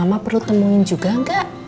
ah mama perlu temuin juga angga